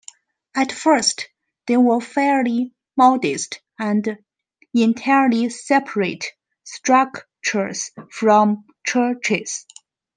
At first they were fairly modest and entirely separate structures from churches.